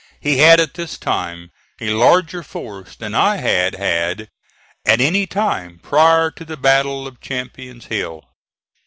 He had at this time a larger force than I had had at any time prior to the battle of Champion's Hill.